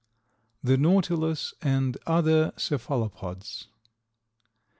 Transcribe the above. THE NAUTILUS AND OTHER CEPHALOPODS.